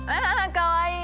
かわいい！